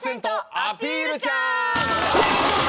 アピルちゃん」